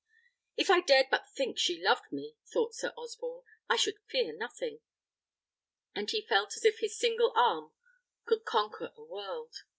"If I dared but think she loved me," thought Sir Osborne, "I should fear nothing;" and he felt as if his single arm could conquer a world.